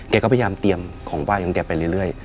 ก็พยายามเตรียมของไหว้ของแกไปเรื่อย